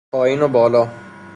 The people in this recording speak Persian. پایین و بالا